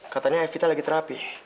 katanya evita lagi terapi